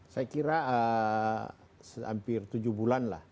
saya kira hampir tujuh bulan lah